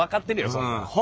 そんなん。